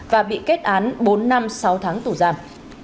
và bị kết án bốn năm sáu tháng tù giam